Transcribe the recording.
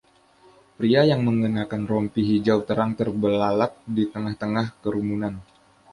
Pria yang mengenakan rompi hijau terang terbelalak di tengah-tengah kerumunan.